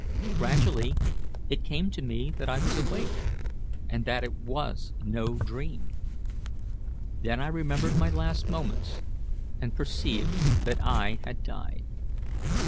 Gradually it came to me that I was awake, and that it was no dream. Then I remembered my last moments, and perceived that I had died.